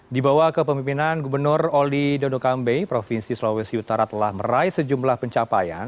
di bawah kepemimpinan gubernur oli dodo kambe provinsi sulawesi utara telah meraih sejumlah pencapaian